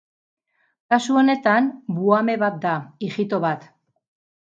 Kasu honetan, buhame bat da, ijito bat.